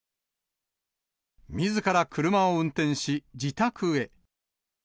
みずから車を運転し、自宅へ。